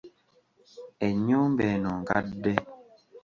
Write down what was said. Ennyumba eno nkadde.